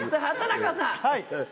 畠中さん。